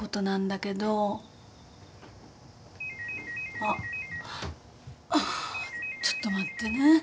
あっちょっと待ってね。